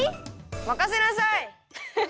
まかせなさい！